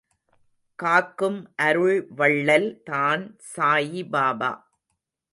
காக்கும் அருள் வள்ளல் தான் சாயிபாபா.